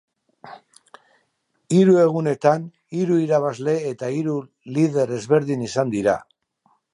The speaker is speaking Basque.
Hiru egunetan hiru irabazle eta hiru lider ezberdin izan dira.